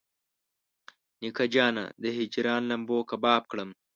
نیکه جانه د هجران لمبو کباب کړم.